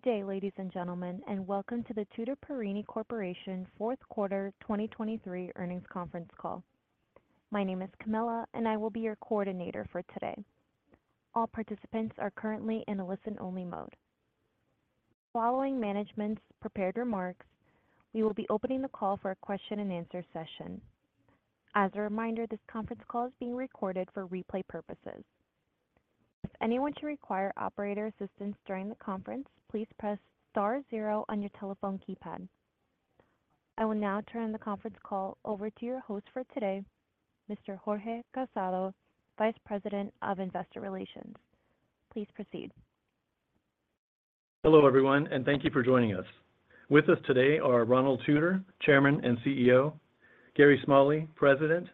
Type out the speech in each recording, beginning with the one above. Good day, ladies and gentlemen, and welcome to the Tutor Perini Corporation fourth quarter 2023 earnings conference call. My name is Camilla, and I will be your coordinator for today. All participants are currently in a listen-only mode. Following management's prepared remarks, we will be opening the call for a question-and-answer session. As a reminder, this conference call is being recorded for replay purposes. If anyone should require operator assistance during the conference, please press star 0 on your telephone keypad. I will now turn the conference call over to your host for today, Mr. Jorge Casado, Vice President of Investor Relations. Please proceed. Hello everyone, and thank you for joining us. With us today are Ronald Tutor, Chairman and CEO; Gary Smalley, President;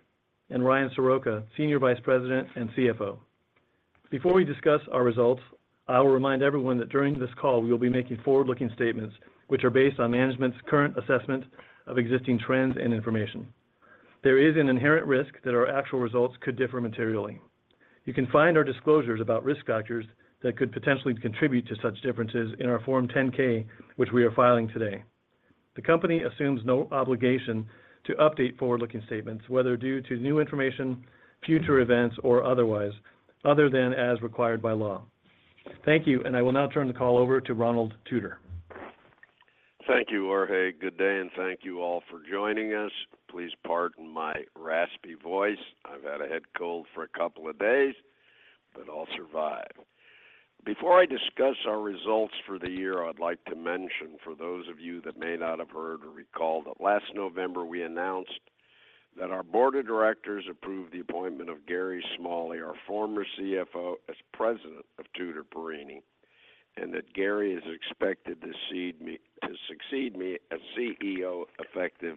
and Ryan Soroka, Senior Vice President and CFO. Before we discuss our results, I will remind everyone that during this call we will be making forward-looking statements which are based on management's current assessment of existing trends and information. There is an inherent risk that our actual results could differ materially. You can find our disclosures about risk factors that could potentially contribute to such differences in our Form 10-K, which we are filing today. The company assumes no obligation to update forward-looking statements, whether due to new information, future events, or otherwise, other than as required by law. Thank you, and I will now turn the call over to Ronald Tutor. Thank you, Jorge. Good day, and thank you all for joining us. Please pardon my raspy voice. I've had a head cold for a couple of days, but I'll survive. Before I discuss our results for the year, I'd like to mention, for those of you that may not have heard or recall, that last November we announced that our Board of Directors approved the appointment of Gary Smalley, our former CFO, as President of Tutor Perini, and that Gary is expected to succeed me as CEO effective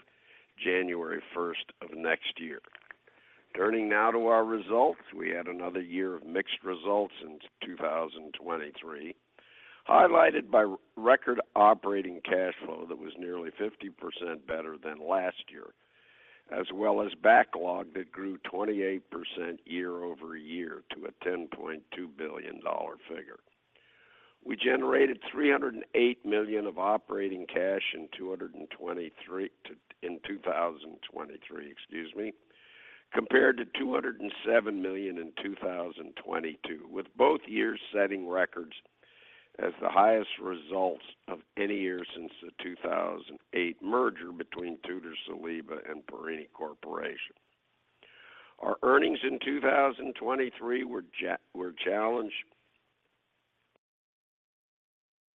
January 1st of next year. Turning now to our results, we had another year of mixed results in 2023, highlighted by record operating cash flow that was nearly 50% better than last year, as well as backlog that grew 28% year-over-year to a $10.2 billion figure. We generated $308 million of operating cash in 2023, excuse me, compared to $207 million in 2022, with both years setting records as the highest results of any year since the 2008 merger between Tutor-Saliba and Perini Corporation. Our earnings in 2023 were challenged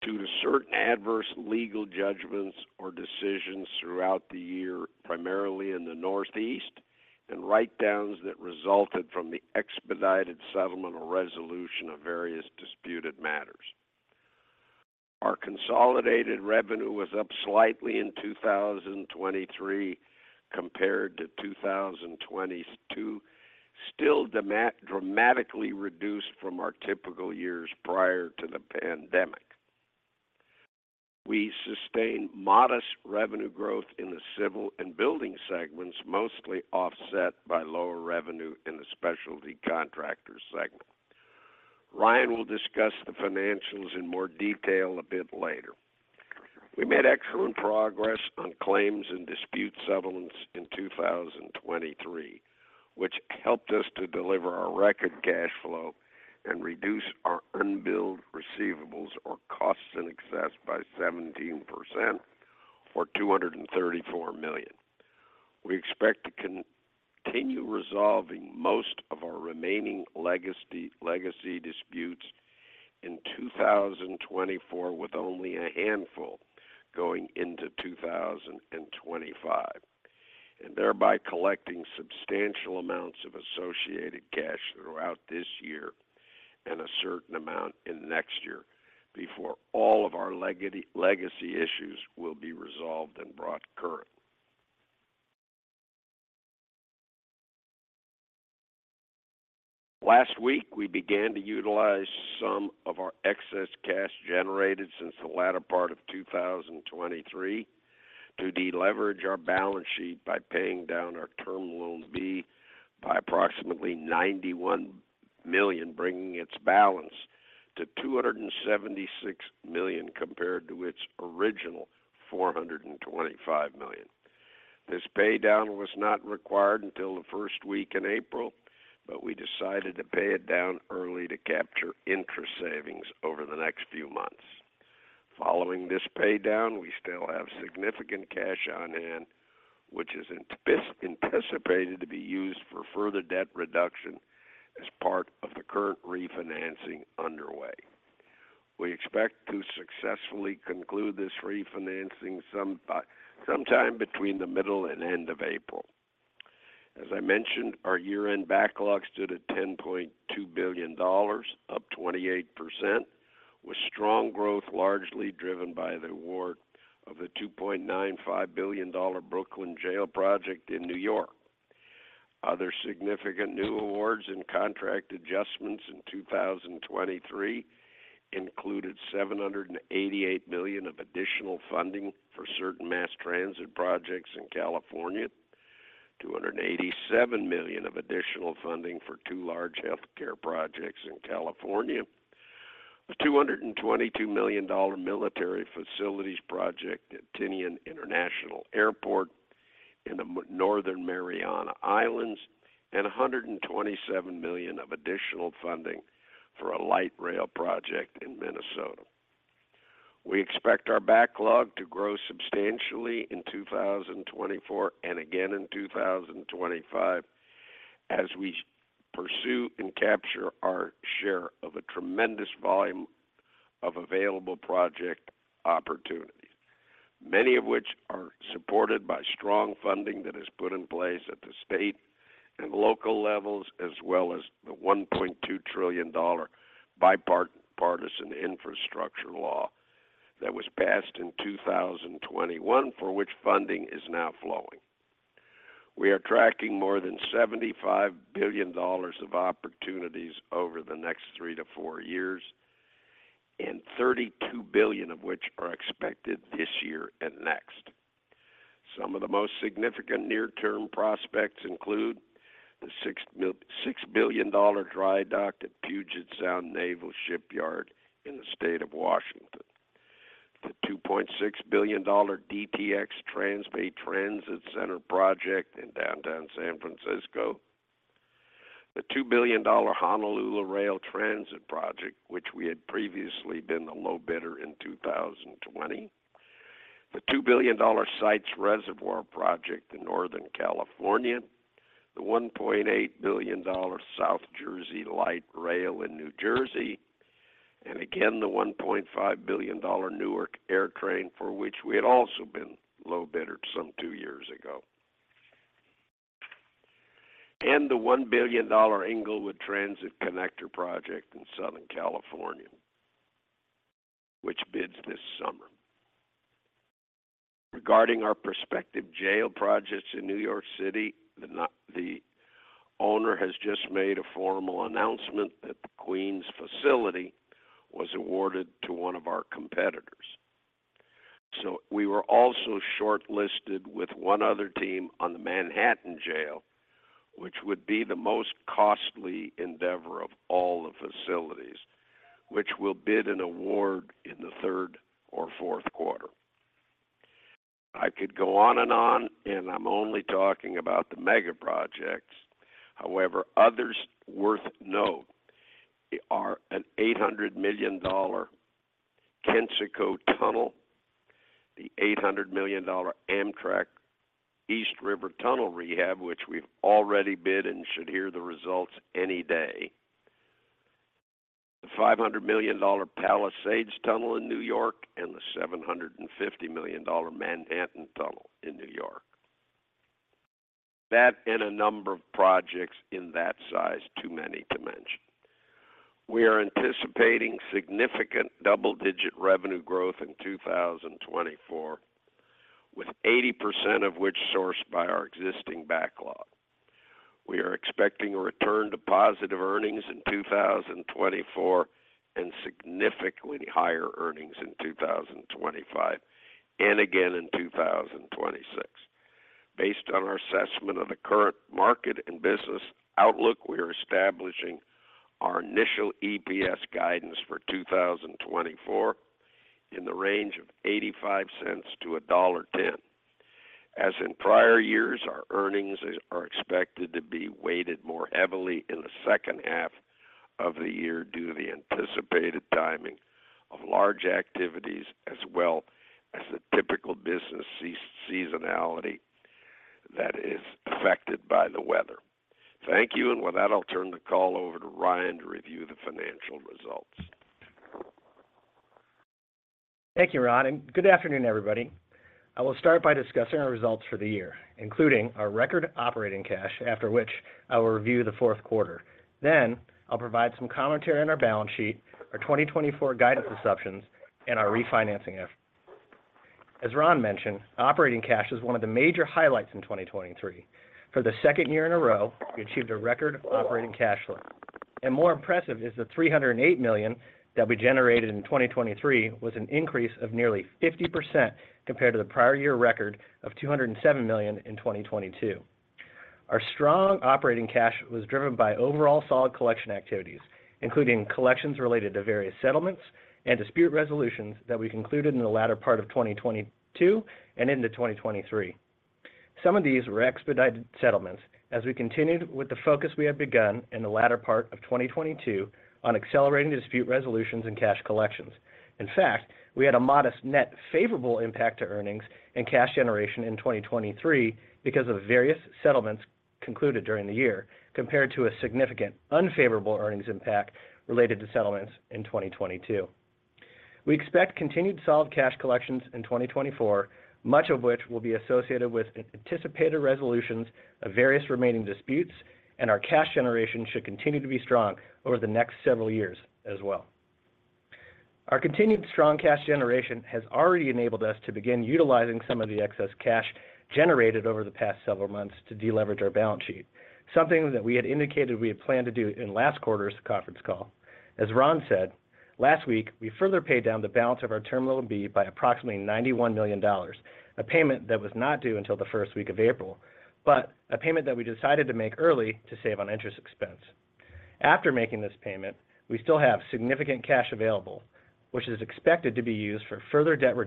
due to certain adverse legal judgments or decisions throughout the year, primarily in the Northeast, and write-downs that resulted from the expedited settlement or resolution of various disputed matters. Our consolidated revenue was up slightly in 2023 compared to 2022, still dramatically reduced from our typical years prior to the pandemic. We sustained modest revenue growth in the civil and building segments, mostly offset by lower revenue in the specialty contractor segment. Ryan will discuss the financials in more detail a bit later. We made excellent progress on claims and dispute settlements in 2023, which helped us to deliver our record cash flow and reduce our unbilled receivables, or costs in excess, by 17% for $234 million. We expect to continue resolving most of our remaining legacy disputes in 2024 with only a handful going into 2025, and thereby collecting substantial amounts of associated cash throughout this year and a certain amount in next year before all of our legacy issues will be resolved and brought current. Last week we began to utilize some of our excess cash generated since the latter part of 2023 to deleverage our balance sheet by paying down our Term Loan B by approximately $91 million, bringing its balance to $276 million compared to its original $425 million. This paydown was not required until the first week in April, but we decided to pay it down early to capture interest savings over the next few months. Following this paydown, we still have significant cash on hand, which is anticipated to be used for further debt reduction as part of the current refinancing underway. We expect to successfully conclude this refinancing sometime between the middle and end of April. As I mentioned, our year-end backlog stood at $10.2 billion, up 28%, with strong growth largely driven by the award of the $2.95 billion Brooklyn Jail Project in New York. Other significant new awards and contract adjustments in 2023 included $788 million of additional funding for certain mass transit projects in California, $287 million of additional funding for two large healthcare projects in California, a $222 million military facilities project at Tinian International Airport in the Northern Mariana Islands, and $127 million of additional funding for a light rail project in Minnesota. We expect our backlog to grow substantially in 2024 and again in 2025 as we pursue and capture our share of a tremendous volume of available project opportunities, many of which are supported by strong funding that is put in place at the state and local levels, as well as the $1.2 trillion Bipartisan Infrastructure Law that was passed in 2021, for which funding is now flowing. We are tracking more than $75 billion of opportunities over the next three to four years, and $32 billion of which are expected this year and next. Some of the most significant near-term prospects include the $6 billion dry dock at Puget Sound Naval Shipyard in the state of Washington, the $2.6 billion DTX Transbay Transit Center project in downtown San Francisco, the $2 billion Honolulu Rail Transit Project, which we had previously been the low bidder in 2020, the $2 billion Sites Reservoir project in Northern California, the $1.8 billion South Jersey Light Rail in New Jersey, and again the $1.5 billion Newark AirTrain, for which we had also been low bidder some two years ago, and the $1 billion Inglewood Transit Connector project in Southern California, which bids this summer. Regarding our prospective jail projects in New York City, the owner has just made a formal announcement that the Queens facility was awarded to one of our competitors. So we were also shortlisted with one other team on the Manhattan Jail, which would be the most costly endeavor of all the facilities, which will bid an award in the third or fourth quarter. I could go on and on, and I'm only talking about the mega projects. However, others worth noting are a $800 million Kensico Tunnel, the $800 million Amtrak East River Tunnel Rehab, which we've already bid and should hear the results any day, the $500 million Palisades Tunnel in New York, and the $750 million Manhattan Tunnel in New York, that and a number of projects in that size, too many to mention. We are anticipating significant double-digit revenue growth in 2024, with 80% of which sourced by our existing backlog. We are expecting a return to positive earnings in 2024 and significantly higher earnings in 2025 and again in 2026. Based on our assessment of the current market and business outlook, we are establishing our initial EPS guidance for 2024 in the range of $0.85-$1.10. As in prior years, our earnings are expected to be weighted more heavily in the second half of the year due to the anticipated timing of large activities, as well as the typical business seasonality that is affected by the weather. Thank you, and with that, I'll turn the call over to Ryan to review the financial results. Thank you, Ron, and good afternoon, everybody. I will start by discussing our results for the year, including our record operating cash, after which I will review the fourth quarter. Then I'll provide some commentary on our balance sheet, our 2024 guidance assumptions, and our refinancing efforts. As Ron mentioned, operating cash is one of the major highlights in 2023. For the second year in a row, we achieved a record operating cash flow. More impressive is the $308 million that we generated in 2023 was an increase of nearly 50% compared to the prior year record of $207 million in 2022. Our strong operating cash was driven by overall solid collection activities, including collections related to various settlements and dispute resolutions that we concluded in the latter part of 2022 and into 2023. Some of these were expedited settlements, as we continued with the focus we had begun in the latter part of 2022 on accelerating dispute resolutions and cash collections. In fact, we had a modest net favorable impact to earnings and cash generation in 2023 because of various settlements concluded during the year, compared to a significant unfavorable earnings impact related to settlements in 2022. We expect continued solid cash collections in 2024, much of which will be associated with anticipated resolutions of various remaining disputes, and our cash generation should continue to be strong over the next several years as well. Our continued strong cash generation has already enabled us to begin utilizing some of the excess cash generated over the past several months to deleverage our balance sheet, something that we had indicated we had planned to do in last quarter's conference call. As Ron said, last week we further paid down the balance of our Term Loan B by approximately $91 million, a payment that was not due until the first week of April, but a payment that we decided to make early to save on interest expense. After making this payment, we still have significant cash available, which is expected to be used for further debt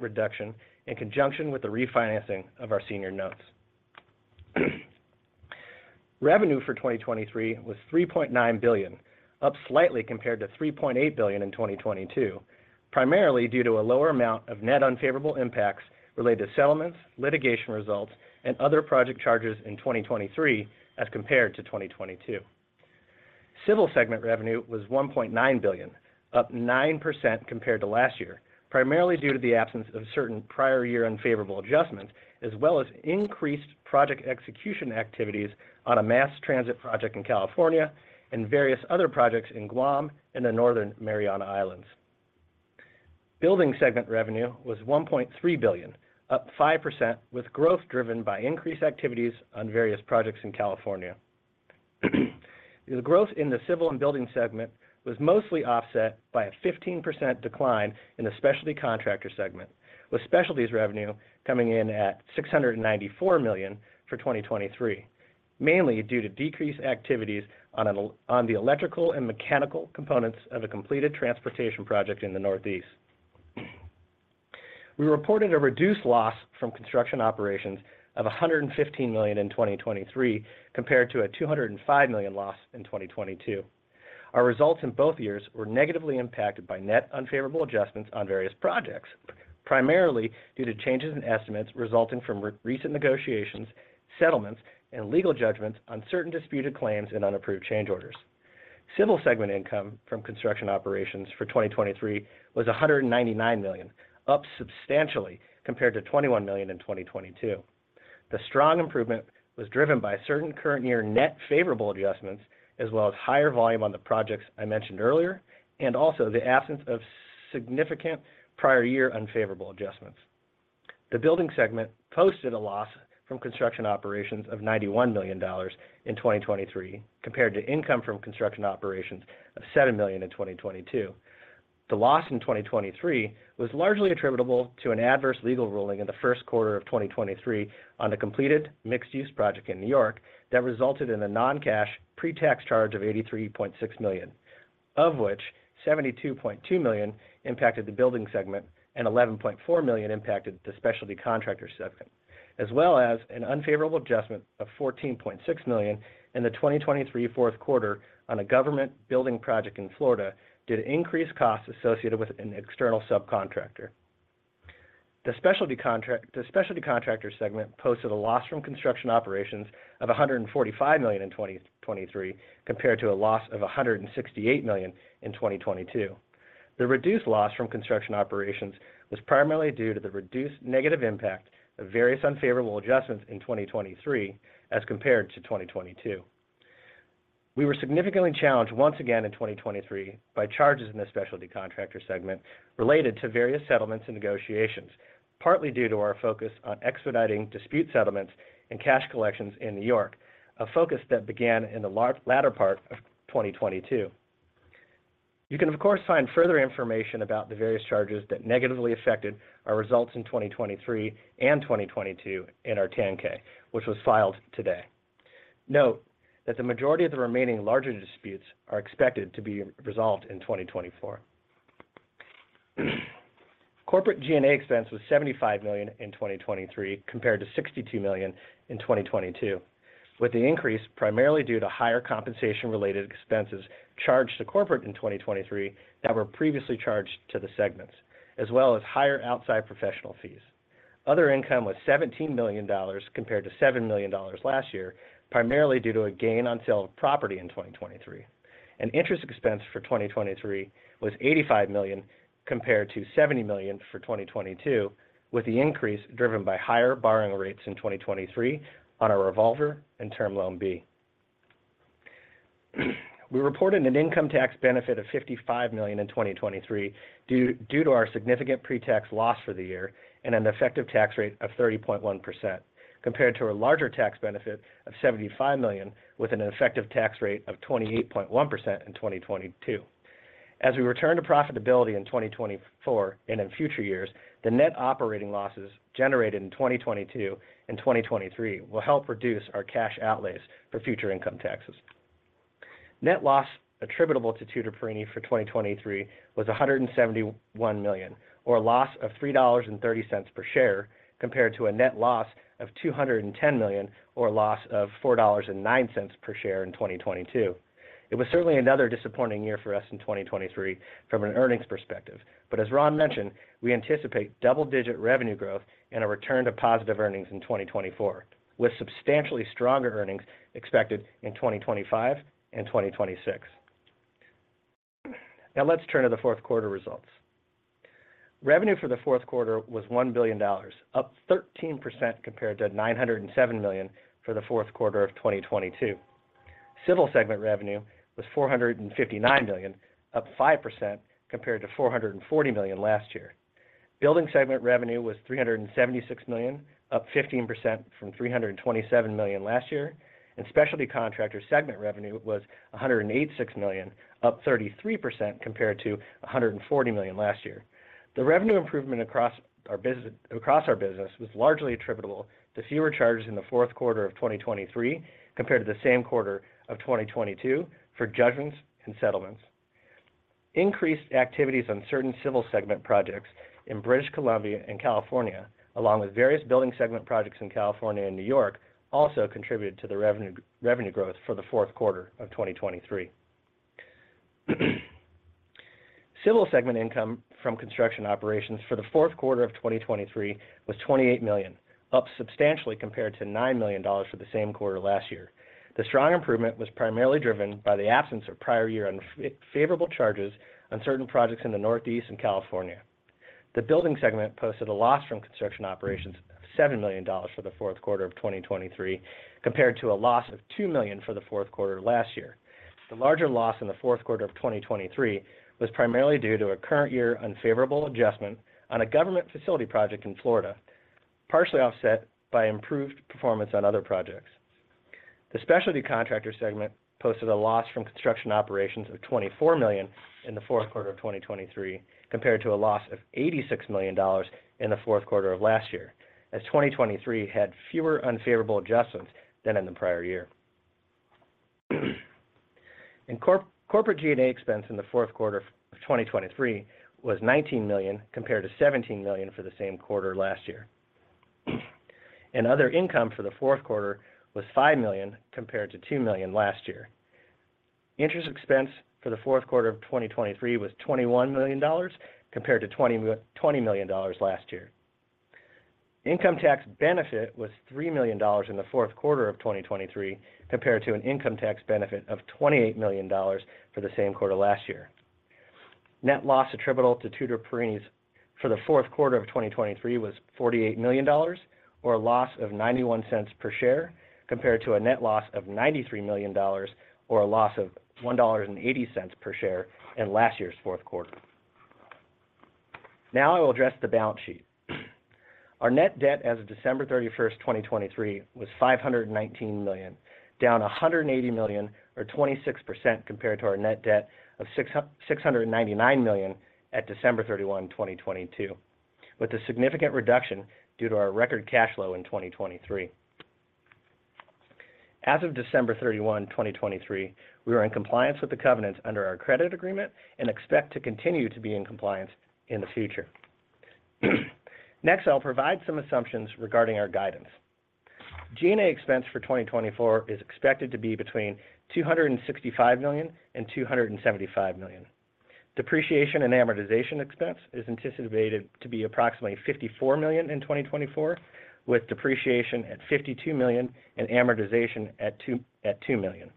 reduction in conjunction with the refinancing of our Senior Notes. Revenue for 2023 was $3.9 billion, up slightly compared to $3.8 billion in 2022, primarily due to a lower amount of net unfavorable impacts related to settlements, litigation results, and other project charges in 2023 as compared to 2022. Civil segment revenue was $1.9 billion, up 9% compared to last year, primarily due to the absence of certain prior year unfavorable adjustments, as well as increased project execution activities on a mass transit project in California and various other projects in Guam and the Northern Mariana Islands. Building segment revenue was $1.3 billion, up 5%, with growth driven by increased activities on various projects in California. The growth in the civil and building segment was mostly offset by a 15% decline in the specialty contractor segment, with specialties revenue coming in at $694 million for 2023, mainly due to decreased activities on the electrical and mechanical components of a completed transportation project in the Northeast. We reported a reduced loss from construction operations of $115 million in 2023 compared to a $205 million loss in 2022. Our results in both years were negatively impacted by net unfavorable adjustments on various projects, primarily due to changes in estimates resulting from recent negotiations, settlements, and legal judgments on certain disputed claims and unapproved change orders. Civil segment income from construction operations for 2023 was $199 million, up substantially compared to $21 million in 2022. The strong improvement was driven by certain current year net favorable adjustments, as well as higher volume on the projects I mentioned earlier, and also the absence of significant prior year unfavorable adjustments. The building segment posted a loss from construction operations of $91 million in 2023 compared to income from construction operations of $7 million in 2022. The loss in 2023 was largely attributable to an adverse legal ruling in the first quarter of 2023 on a completed mixed-use project in New York that resulted in a non-cash pre-tax charge of $83.6 million, of which $72.2 million impacted the building segment and $11.4 million impacted the specialty contractor segment, as well as an unfavorable adjustment of $14.6 million in the 2023 fourth quarter on a government building project in Florida due to increased costs associated with an external subcontractor. The specialty contractor segment posted a loss from construction operations of $145 million in 2023 compared to a loss of $168 million in 2022. The reduced loss from construction operations was primarily due to the reduced negative impact of various unfavorable adjustments in 2023 as compared to 2022. We were significantly challenged once again in 2023 by charges in the specialty contractor segment related to various settlements and negotiations, partly due to our focus on expediting dispute settlements and cash collections in New York, a focus that began in the latter part of 2022. You can, of course, find further information about the various charges that negatively affected our results in 2023 and 2022 in our 10-K, which was filed today. Note that the majority of the remaining larger disputes are expected to be resolved in 2024. Corporate G&A expense was $75 million in 2023 compared to $62 million in 2022, with the increase primarily due to higher compensation-related expenses charged to corporate in 2023 that were previously charged to the segments, as well as higher outside professional fees. Other income was $17 million compared to $7 million last year, primarily due to a gain on sale of property in 2023. Interest expense for 2023 was $85 million compared to $70 million for 2022, with the increase driven by higher borrowing rates in 2023 on our revolver and Term Loan B. We reported an income tax benefit of $55 million in 2023 due to our significant pre-tax loss for the year and an effective tax rate of 30.1% compared to a larger tax benefit of $75 million, with an effective tax rate of 28.1% in 2022. As we return to profitability in 2024 and in future years, the net operating losses generated in 2022 and 2023 will help reduce our cash outlays for future income taxes. Net loss attributable to Tutor Perini for 2023 was $171 million, or a loss of $3.30 per share compared to a net loss of $210 million, or a loss of $4.09 per share in 2022. It was certainly another disappointing year for us in 2023 from an earnings perspective. But as Ron mentioned, we anticipate double-digit revenue growth and a return to positive earnings in 2024, with substantially stronger earnings expected in 2025 and 2026. Now let's turn to the fourth quarter results. Revenue for the fourth quarter was $1 billion, up 13% compared to $907 million for the fourth quarter of 2022. Civil segment revenue was $459 million, up 5% compared to $440 million last year. Building segment revenue was $376 million, up 15% from $327 million last year. Specialty contractor segment revenue was $186 million, up 33% compared to $140 million last year. The revenue improvement across our business was largely attributable to fewer charges in the fourth quarter of 2023 compared to the same quarter of 2022 for judgments and settlements. Increased activities on certain civil segment projects in British Columbia and California, along with various building segment projects in California and New York, also contributed to the revenue growth for the fourth quarter of 2023. Civil segment income from construction operations for the fourth quarter of 2023 was $28 million, up substantially compared to $9 million for the same quarter last year. The strong improvement was primarily driven by the absence of prior year unfavorable charges on certain projects in the Northeast and California. The building segment posted a loss from construction operations of $7 million for the fourth quarter of 2023 compared to a loss of $2 million for the fourth quarter last year. The larger loss in the fourth quarter of 2023 was primarily due to a current year unfavorable adjustment on a government facility project in Florida, partially offset by improved performance on other projects. The specialty contractor segment posted a loss from construction operations of $24 million in the fourth quarter of 2023 compared to a loss of $86 million in the fourth quarter of last year, as 2023 had fewer unfavorable adjustments than in the prior year. Corporate G&A expense in the fourth quarter of 2023 was $19 million compared to $17 million for the same quarter last year. Other income for the fourth quarter was $5 million compared to $2 million last year. Interest expense for the fourth quarter of 2023 was $21 million compared to $20 million last year. Income tax benefit was $3 million in the fourth quarter of 2023 compared to an income tax benefit of $28 million for the same quarter last year. Net loss attributable to Tutor Perini for the fourth quarter of 2023 was $48 million, or a loss of $0.91 per share compared to a net loss of $93 million, or a loss of $1.80 per share in last year's fourth quarter. Now I will address the balance sheet. Our net debt as of December 31, 2023, was $519 million, down $180 million, or 26% compared to our net debt of $699 million at December 31, 2022, with a significant reduction due to our record cash flow in 2023. As of December 31, 2023, we are in compliance with the covenants under our credit agreement and expect to continue to be in compliance in the future. Next, I will provide some assumptions regarding our guidance. G&A expense for 2024 is expected to be between $265 million-$275 million. Depreciation and amortization expense is anticipated to be approximately $54 million in 2024, with depreciation at $52 million and amortization at $2 million.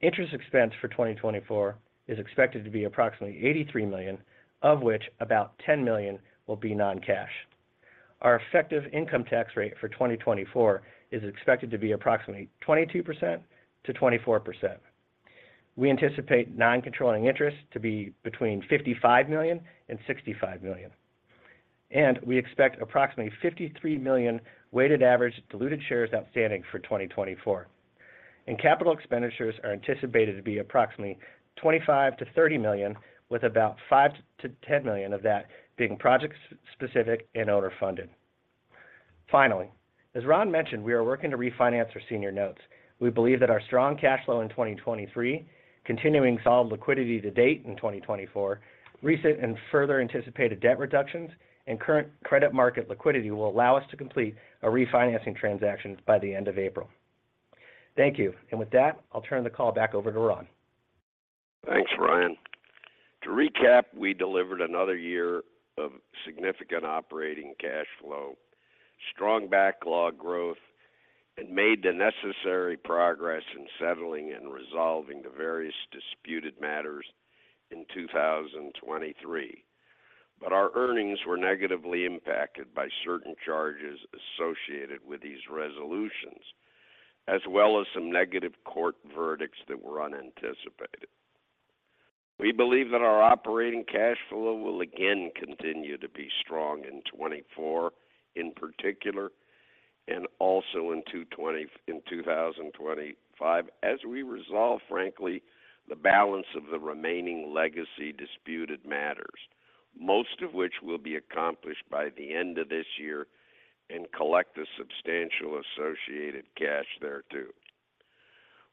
Interest expense for 2024 is expected to be approximately $83 million, of which about $10 million will be non-cash. Our effective income tax rate for 2024 is expected to be approximately 22%-24%. We anticipate non-controlling interest to be between $55 million-$65 million. We expect approximately $53 million weighted average diluted shares outstanding for 2024. Capital expenditures are anticipated to be approximately $25 million-$30 million, with about $5 million-$10 million of that being project-specific and owner-funded. Finally, as Ron mentioned, we are working to refinance our senior notes. We believe that our strong cash flow in 2023, continuing solid liquidity to date in 2024, recent and further anticipated debt reductions, and current credit market liquidity will allow us to complete a refinancing transaction by the end of April. Thank you. And with that, I will turn the call back over to Ron. Thanks, Ryan. To recap, we delivered another year of significant operating cash flow, strong backlog growth, and made the necessary progress in settling and resolving the various disputed matters in 2023. But our earnings were negatively impacted by certain charges associated with these resolutions, as well as some negative court verdicts that were unanticipated. We believe that our operating cash flow will again continue to be strong in 2024 in particular, and also in 2025 as we resolve, frankly, the balance of the remaining legacy disputed matters, most of which will be accomplished by the end of this year and collect a substantial associated cash there too.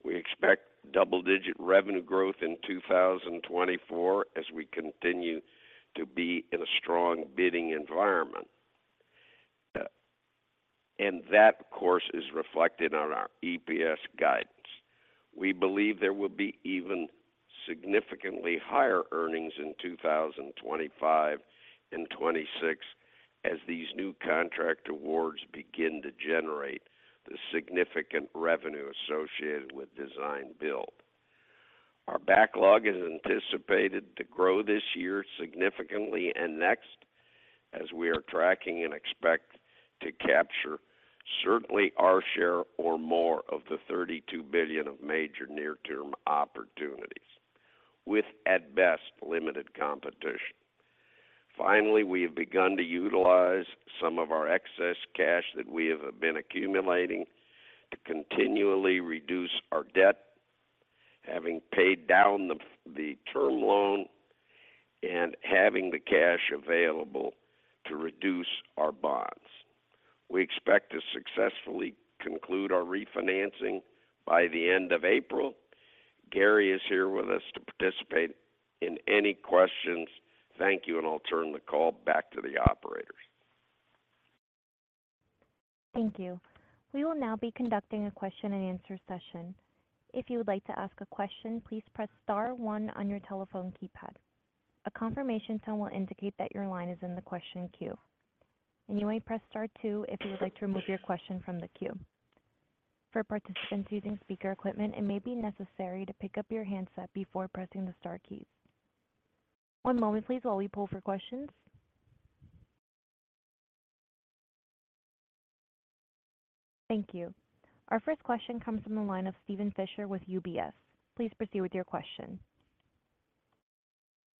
We expect double-digit revenue growth in 2024 as we continue to be in a strong bidding environment. And that, of course, is reflected on our EPS guidance. We believe there will be even significantly higher earnings in 2025 and 2026 as these new contract awards begin to generate the significant revenue associated with design-build. Our backlog is anticipated to grow this year significantly and next as we are tracking and expect to capture certainly our share or more of the $32 billion of major near-term opportunities, with at best limited competition. Finally, we have begun to utilize some of our excess cash that we have been accumulating to continually reduce our debt, having paid down the term loan, and having the cash available to reduce our bonds. We expect to successfully conclude our refinancing by the end of April. Gary is here with us to participate in any questions, thank you, and I will turn the call back to the operators. Thank you. We will now be conducting a question-and-answer session. If you would like to ask a question, please press star one on your telephone keypad. A confirmation tone will indicate that your line is in the question queue. You may press star two if you would like to remove your question from the queue. For participants using speaker equipment, it may be necessary to pick up your handset before pressing the star keys. One moment, please, while we pull for questions. Thank you. Our first question comes from the line of Steven Fisher with UBS. Please proceed with your question.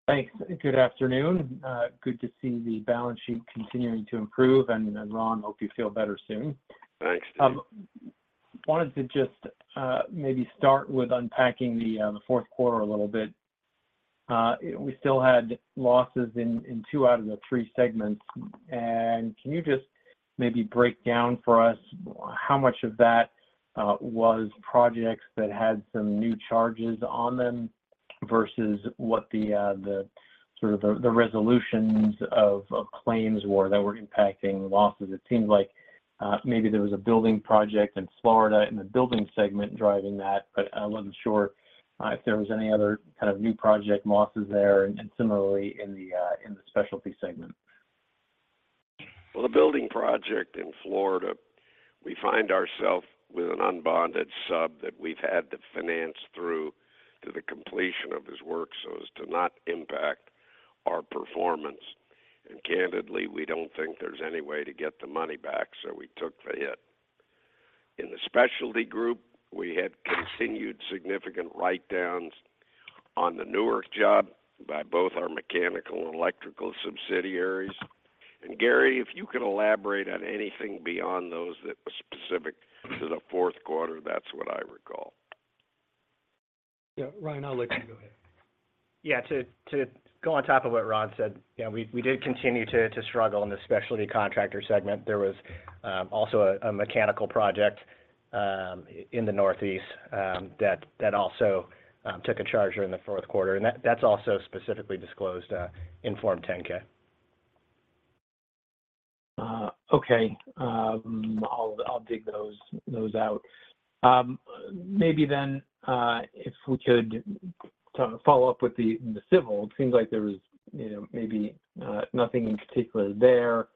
Thanks. Good afternoon. Good to see the balance sheet continuing to improve. And Ron, I hope you feel better soon. Thanks, Steven. I wanted to just maybe start with unpacking the fourth quarter a little bit. We still had losses in two out of the three segments. And can you just maybe break down for us how much of that was projects that had some new charges on them versus what the sort of the resolutions of claims were that were impacting losses? It seemed like maybe there was a building project in Florida and the building segment driving that, but I wasn't sure if there was any other kind of new project losses there and similarly in the specialty segment. Well, the building project in Florida, we find ourselves with an unbonded sub that we've had to finance through to the completion of his work so as to not impact our performance. And candidly, we don't think there's any way to get the money back, so we took the hit. In the specialty group, we had continued significant write-downs on the Newark job by both our mechanical and electrical subsidiaries. And Gary, if you could elaborate on anything beyond those that were specific to the fourth quarter, that's what I recall. Yeah. Ryan, I'll let you go ahead. Yeah. To go on top of what Ron said, we did continue to struggle in the specialty contractor segment. There was also a mechanical project in the Northeast that also took a charge during the fourth quarter. And that's also specifically disclosed in Form 10-K. Okay. I'll dig those out. Maybe then if we could follow up with the civil, it seems like there was maybe nothing in particular there.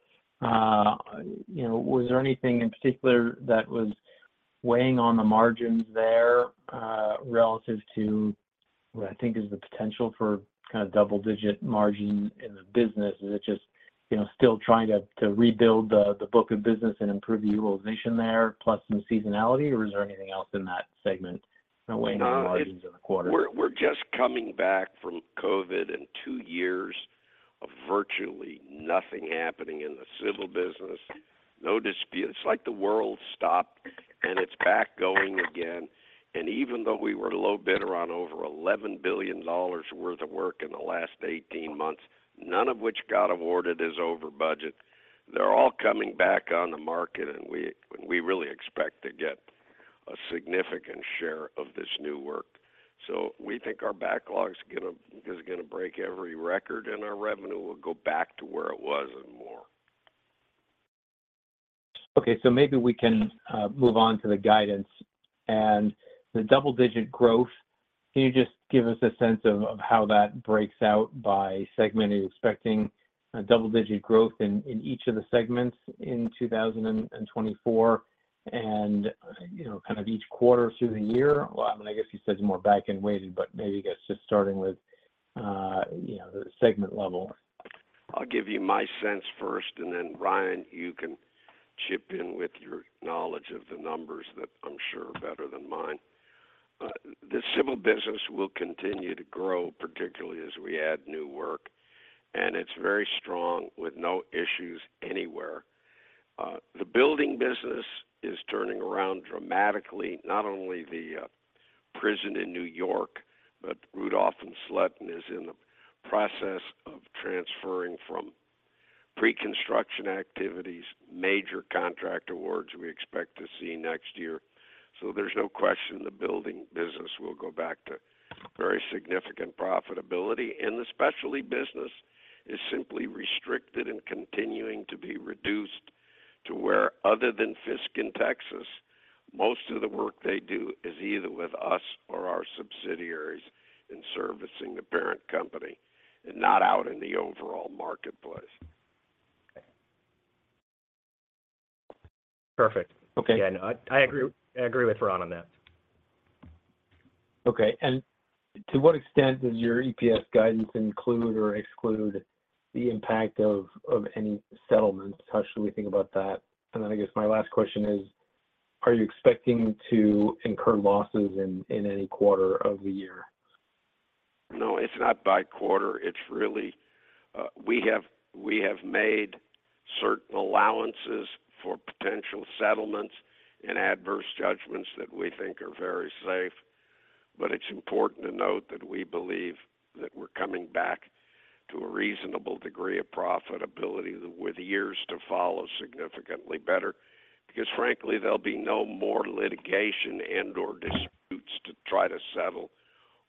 Was there anything in particular that was weighing on the margins there relative to what I think is the potential for kind of double-digit margin in the business? Is it just still trying to rebuild the book of business and improve the utilization there plus some seasonality, or is there anything else in that segment weighing on the margins in the quarters? We're just coming back from COVID and two years of virtually nothing happening in the civil business, no disputes. It's like the world stopped, and it's back going again. Even though we were a little bidder on over $11 billion worth of work in the last 18 months, none of which got awarded as over budget, they're all coming back on the market, and we really expect to get a significant share of this new work. So we think our backlog is going to break every record, and our revenue will go back to where it was and more. Okay. So maybe we can move on to the guidance. And the double-digit growth, can you just give us a sense of how that breaks out by segment? Are you expecting double-digit growth in each of the segments in 2024 and kind of each quarter through the year? I mean, I guess you said more back-end weighted, but maybe just starting with the segment level. I'll give you my sense first, and then Ryan, you can chip in with your knowledge of the numbers that I'm sure are better than mine. The civil business will continue to grow, particularly as we add new work. And it's very strong with no issues anywhere. The building business is turning around dramatically, not only the prison in New York, but Rudolph and Sletten is in the process of transferring from pre-construction activities. Major contract awards we expect to see next year. So there's no question the building business will go back to very significant profitability. And the specialty business is simply restricted and continuing to be reduced to where, other than Fisk in Texas, most of the work they do is either with us or our subsidiaries in servicing the parent company and not out in the overall marketplace. Okay. Perfect. Again, I agree with Ron on that. Okay. And to what extent does your EPS guidance include or exclude the impact of any settlements? How should we think about that? And then I guess my last question is, are you expecting to incur losses in any quarter of the year? No. It's not by quarter. We have made certain allowances for potential settlements and adverse judgments that we think are very safe. But it's important to note that we believe that we're coming back to a reasonable degree of profitability with years to follow significantly better because, frankly, there'll be no more litigation and/or disputes to try to settle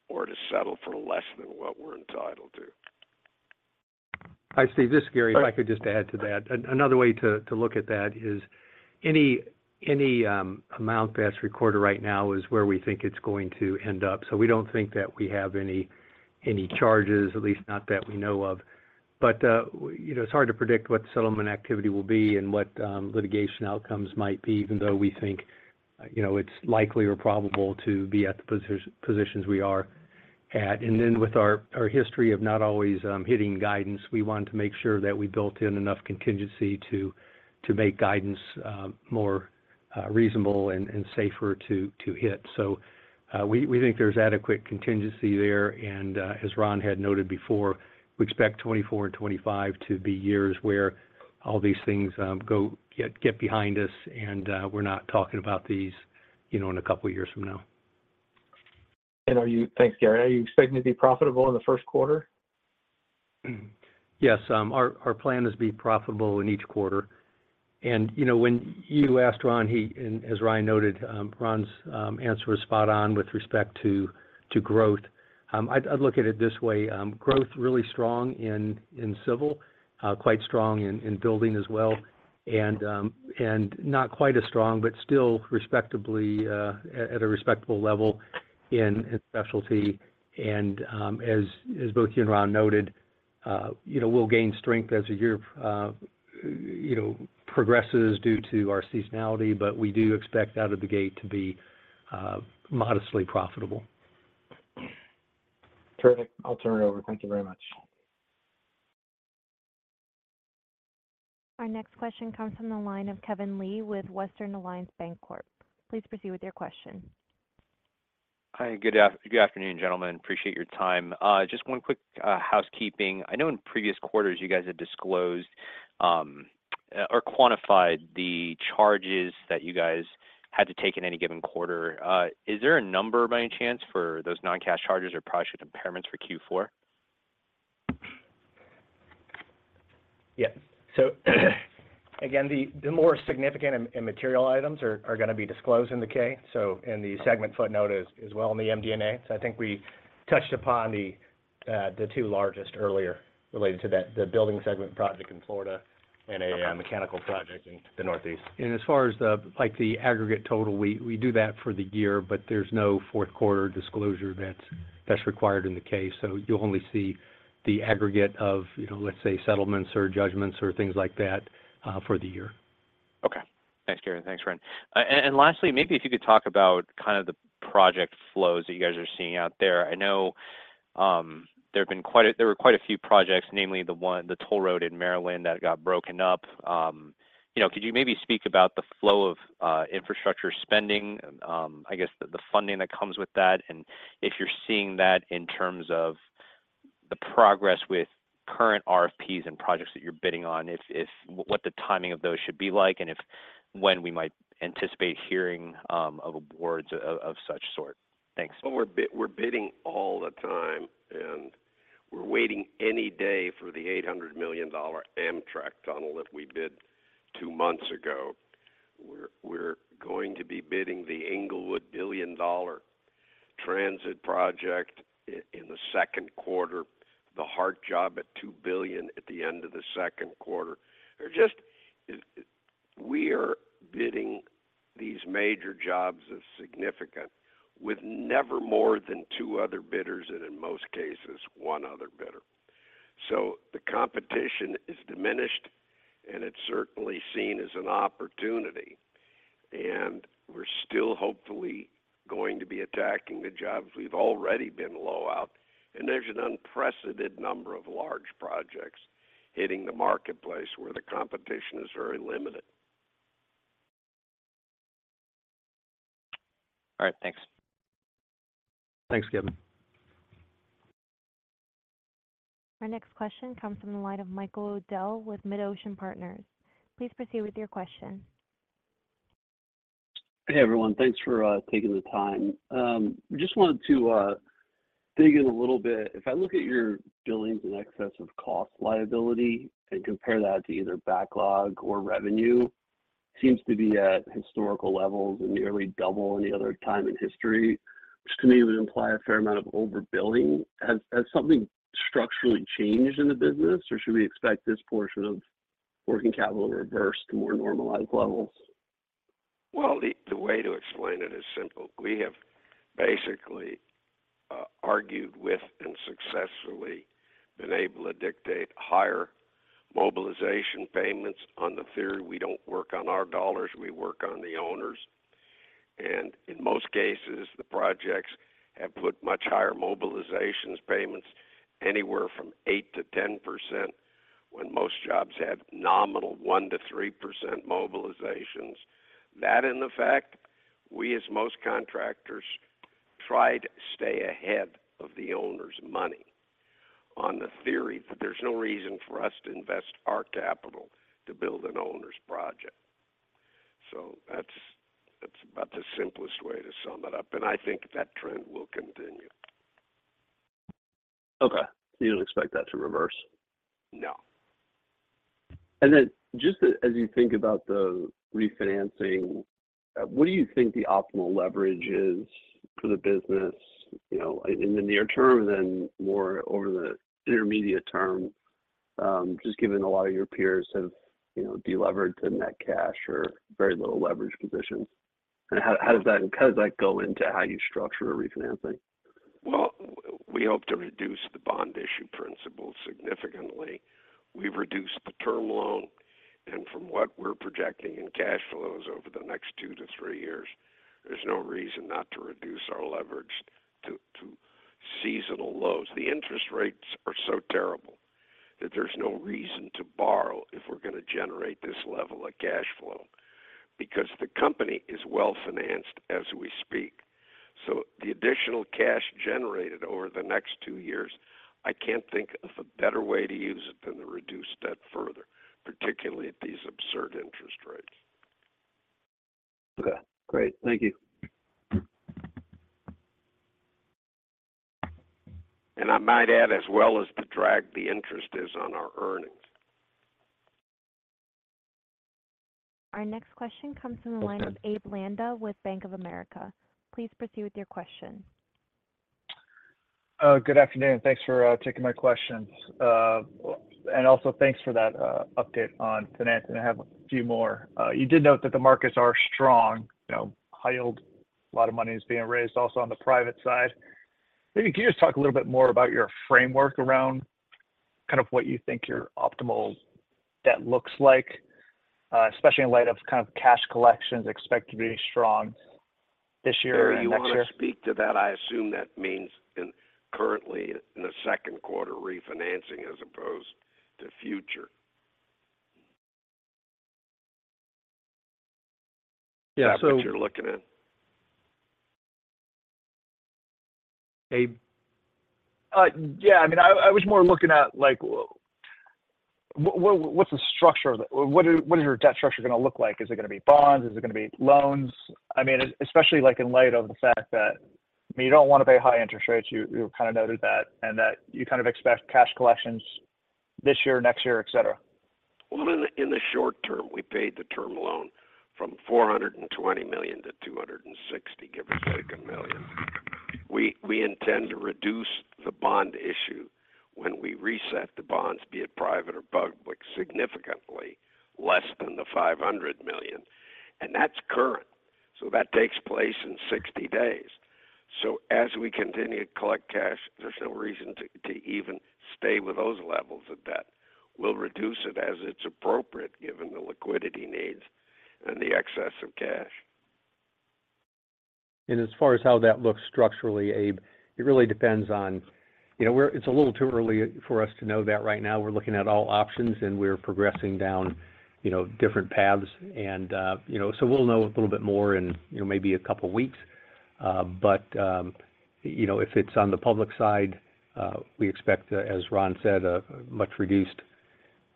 or to settle for less than what we're entitled to. Hi, Steve. This is Gary. If I could just add to that, another way to look at that is any amount that's recorded right now is where we think it's going to end up. So we don't think that we have any charges, at least not that we know of. But it's hard to predict what settlement activity will be and what litigation outcomes might be, even though we think it's likely or probable to be at the positions we are at. And then with our history of not always hitting guidance, we wanted to make sure that we built in enough contingency to make guidance more reasonable and safer to hit. So we think there's adequate contingency there. And as Ron had noted before, we expect 2024 and 2025 to be years where all these things get behind us, and we're not talking about these in a couple of years from now. And thanks, Gary. Are you expecting to be profitable in the first quarter? Yes. Our plan is to be profitable in each quarter. When you asked Ron, as Ryan noted, Ron's answer was spot-on with respect to growth. I'd look at it this way: growth really strong in civil, quite strong in building as well, and not quite as strong but still at a respectable level in specialty. And as both you and Ron noted, we'll gain strength as the year progresses due to our seasonality, but we do expect out of the gate to be modestly profitable. Terrific. I'll turn it over. Thank you very much. Our next question comes from the line of Kevin Lee with Western Alliance Bancorp. Please proceed with your question. Hi. Good afternoon, gentlemen. Appreciate your time. Just one quick housekeeping. I know in previous quarters, you guys had disclosed or quantified the charges that you guys had to take in any given quarter. Is there a number, by any chance, for those non-cash charges or project impairments for Q4? Yes. So again, the more significant and material items are going to be disclosed in the K, so in the segment footnote as well, in the MD&A. So I think we touched upon the two largest earlier related to that, the building segment project in Florida and a mechanical project in the Northeast. And as far as the aggregate total, we do that for the year, but there's no fourth-quarter disclosure that's required in the K. So you'll only see the aggregate of, let's say, settlements or judgments or things like that for the year. Okay. Thanks, Gary. Thanks, Ryan. And lastly, maybe if you could talk about kind of the project flows that you guys are seeing out there? I know there were quite a few projects, namely the toll road in Maryland that got broken up. Could you maybe speak about the flow of infrastructure spending, I guess, the funding that comes with that, and if you're seeing that in terms of the progress with current RFPs and projects that you're bidding on, what the timing of those should be like, and when we might anticipate hearing of awards of such sort? Thanks. Well, we're bidding all the time, and we're waiting any day for the $800 million Amtrak tunnel that we bid two months ago. We're going to be bidding the Inglewood $1 billion transit project in the second quarter, the HART job at $2 billion at the end of the second quarter. We are bidding these major jobs of significance with never more than two other bidders and, in most cases, one other bidder. So the competition is diminished, and it's certainly seen as an opportunity. And we're still, hopefully, going to be attacking the jobs. We've already been low out, and there's an unprecedented number of large projects hitting the marketplace where the competition is very limited. All right. Thanks. Thanks, Kevin. Our next question comes from the line of Michael O'Dell with MidOcean Partners. Please proceed with your question. Hey, everyone. Thanks for taking the time. Just wanted to dig in a little bit. If I look at your billings and excessive cost liability and compare that to either backlog or revenue, it seems to be at historical levels and nearly double any other time in history, which to me would imply a fair amount of overbilling. Has something structurally changed in the business, or should we expect this portion of working capital to reverse to more normalized levels? Well, the way to explain it is simple. We have basically argued with and successfully been able to dictate higher mobilization payments on the theory we don't work on our dollars; we work on the owners. In most cases, the projects have put much higher mobilization payments, anywhere from 8%-10%, when most jobs had nominal 1%-3% mobilizations. That, in fact, we, as most contractors, tried to stay ahead of the owner's money on the theory that there's no reason for us to invest our capital to build an owner's project. That's about the simplest way to sum it up. I think that trend will continue. Okay. You don't expect that to reverse? No. And then just as you think about the refinancing, what do you think the optimal leverage is for the business in the near term and then moreover the intermediate term, just given a lot of your peers have delevered to net cash or very little leverage positions? And how does that go into how you structure a refinancing? Well, we hope to reduce the bond issue principal significantly. We've reduced the term loan. And from what we're projecting in cash flows over the next 2-3 years, there's no reason not to reduce our leverage to seasonal lows. The interest rates are so terrible that there's no reason to borrow if we're going to generate this level of cash flow because the company is well-financed as we speak. So the additional cash generated over the next two years, I can't think of a better way to use it than to reduce debt further, particularly at these absurd interest rates. Okay. Great. Thank you. And I might add, as well as to drag the interest, is on our earnings. Our next question comes from the line of Abe Landa with Bank of America. Please proceed with your question. Good afternoon. Thanks for taking my question. And also, thanks for that update on financing. I have a few more. You did note that the markets are strong, high yield. A lot of money is being raised also on the private side. Maybe could you just talk a little bit more about your framework around kind of what you think your optimal debt looks like, especially in light of kind of cash collections expected to be strong this year or next year? And if you want to speak to that, I assume that means currently in the second quarter refinancing as opposed to future. Is that what you're looking at? Abe? Yeah. I mean, I was more looking at what's the structure of that? What is your debt structure going to look like? Is it going to be bonds? Is it going to be loans? I mean, especially in light of the fact that I mean, you don't want to pay high interest rates. You kind of noted that and that you kind of expect cash collections this year, next year, etc. Well, in the short term, we paid the term loan from $420 million to $260 million, give or take $1 million. We intend to reduce the bond issue when we reset the bonds, be it private or public, significantly less than the $500 million. And that's current. So that takes place in 60 days. So as we continue to collect cash, there's no reason to even stay with those levels of debt. We'll reduce it as it's appropriate, given the liquidity needs and the excess of cash. And as far as how that looks structurally, Abe, it really depends on it's a little too early for us to know that right now. We're looking at all options, and we're progressing down different paths. And so we'll know a little bit more in maybe a couple of weeks. But if it's on the public side, we expect, as Ron said, a much reduced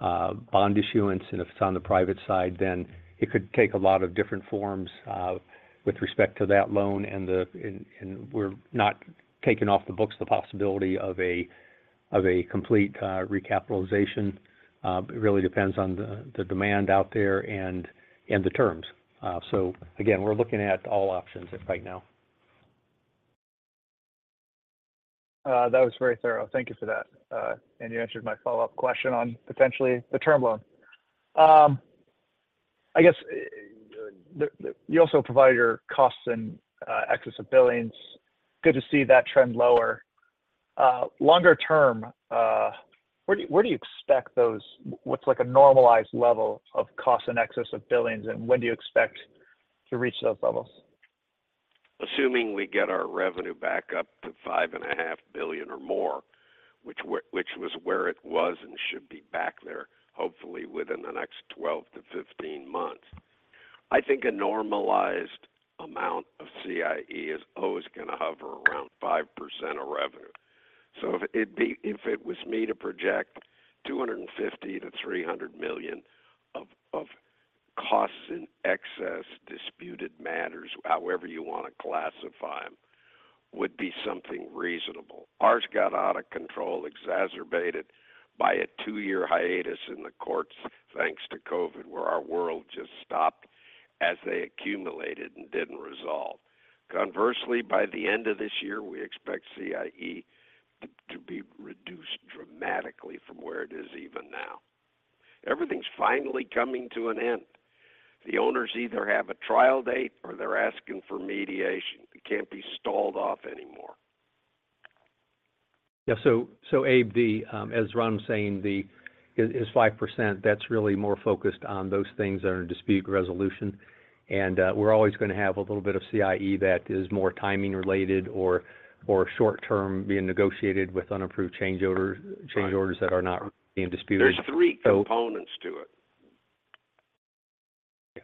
bond issuance. And if it's on the private side, then it could take a lot of different forms with respect to that loan. And we're not taking off the books the possibility of a complete recapitalization. It really depends on the demand out there and the terms. So again, we're looking at all options right now. That was very thorough. Thank you for that. And you answered my follow-up question on potentially the term loan. I guess you also provided your costs in excess of billings. Good to see that trend lower. Longer term, where do you expect those? What's a normalized level of costs in excess of billings, and when do you expect to reach those levels? Assuming we get our revenue back up to $5.5 billion or more, which was where it was and should be back there, hopefully within the next 12-15 months. I think a normalized amount of CIE is always going to hover around 5% of revenue. So if it was me to project $250 million-$300 million of costs in excess disputed matters, however you want to classify them, would be something reasonable. Ours got out of control, exacerbated by a two-year hiatus in the courts thanks to COVID, where our world just stopped as they accumulated and didn't resolve. Conversely, by the end of this year, we expect CIE to be reduced dramatically from where it is even now. Everything's finally coming to an end. The owners either have a trial date, or they're asking for mediation. It can't be stalled off anymore. Yeah. So Abe, as Ron was saying, his 5%, that's really more focused on those things that are in dispute resolution. And we're always going to have a little bit of CIE that is more timing-related or short-term, being negotiated with unapproved change orders that are not being disputed. There's three components to it. Yeah.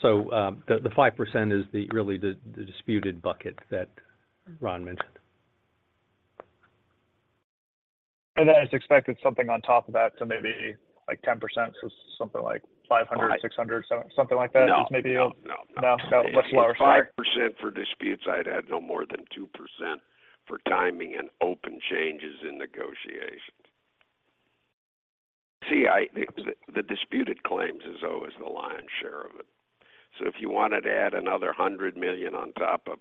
So the 5% is really the disputed bucket that Ron mentioned. And then it's expected something on top of that, so maybe 10%, so something like $500 million, $600 million, something like that is maybe a? No. No. No. No. No. Much lower side. 5% for disputes, I'd add no more than 2% for timing and open changes in negotiations. See, the disputed claims is always the lion's share of it. So if you wanted to add another $100 million on top of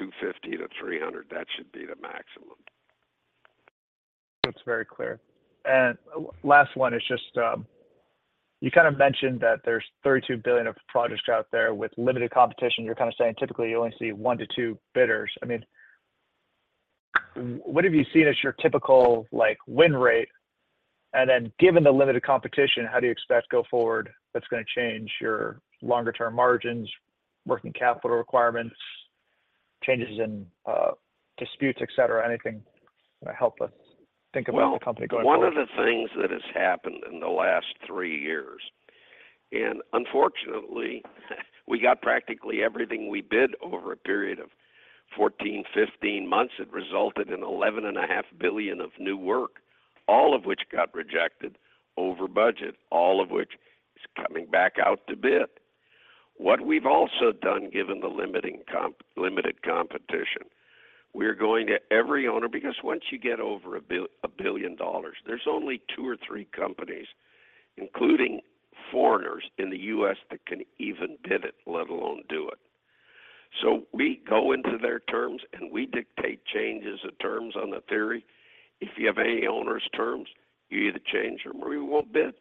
$250 million-$300 million, that should be the maximum. That's very clear. And last one is just you kind of mentioned that there's $32 billion of projects out there with limited competition. You're kind of saying typically, you only see 1-2 bidders. I mean, what have you seen as your typical win rate? And then given the limited competition, how do you expect, go forward, that's going to change your longer-term margins, working capital requirements, changes in disputes, etc., anything to help us think about the company going forward? Well, one of the things that has happened in the last three years and unfortunately, we got practically everything we bid over a period of 14-15 months. It resulted in $11.5 billion of new work, all of which got rejected over budget, all of which is coming back out to bid. What we've also done, given the limited competition, we're going to every owner because once you get over $1 billion, there's only two or three companies, including foreigners in the US, that can even bid it, let alone do it. So we go into their terms, and we dictate changes of terms on the theory. If you have any owner's terms, you either change them, or you won't bid.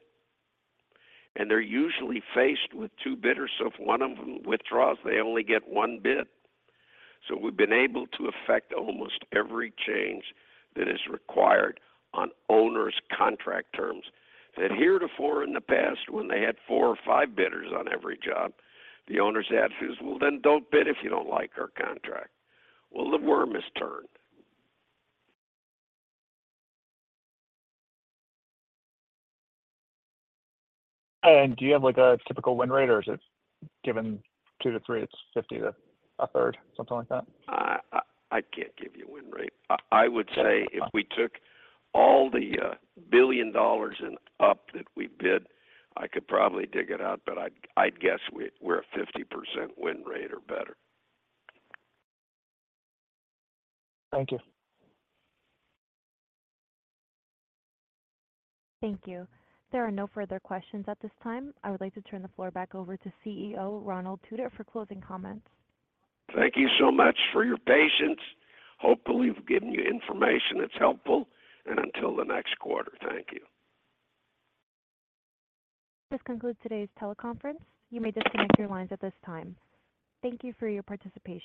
And they're usually faced with two bidders. So if one of them withdraws, they only get one bid. So we've been able to affect almost every change that is required on owners' contract terms. That heretofore in the past, when they had four or five bidders on every job, the owners' attitude was, "Well, then don't bid if you don't like our contract." Well, the worm has turned. Do you have a typical win rate, or is it given 2-3, it's 50 to a third, something like that? I can't give you a win rate. I would say if we took all the billion dollars and up that we bid, I could probably dig it out, but I'd guess we're a 50% win rate or better. Thank you. Thank you. There are no further questions at this time. I would like to turn the floor back over to CEO Ronald Tutor for closing comments. Thank you so much for your patience. Hopefully, we've given you information that's helpful. Until the next quarter, thank you. This concludes today's teleconference. You may disconnect your lines at this time. Thank you for your participation.